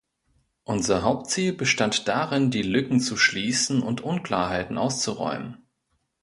Unser Hauptziel bestand darin, die Lücken zu schließen und Unklarheiten auszuräumen.